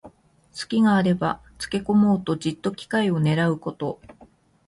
すきがあればつけこもうと、じっと機会をねらうこと。